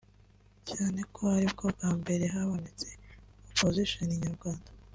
cyane ko aribwo bwa mbere habonetse “opposition” nyarwanda